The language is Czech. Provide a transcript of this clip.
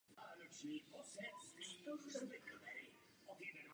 Dobrý návrh Komise měl v Parlamentu žádat větší podporu.